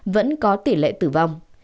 vẫn có tỷ lệ tử vong